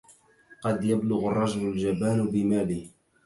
قد يبلغ الرجل الجبان بماله